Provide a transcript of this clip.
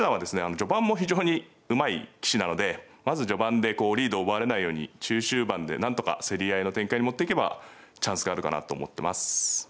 序盤も非常にうまい棋士なのでまず序盤でリードを奪われないように中終盤でなんとか競り合いの展開に持っていけばチャンスがあるかなと思ってます。